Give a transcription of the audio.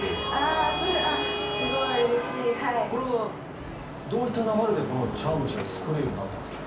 あそうすごい嬉しいはいこれはどういった流れでこの茶碗蒸しが作れるようになったんですか？